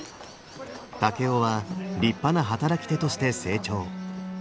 竹雄は立派な働き手として成長。